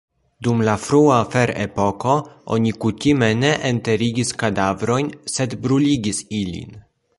Dum la frua ferepoko oni kutime ne enterigis kadavrojn, sed bruligis ilin.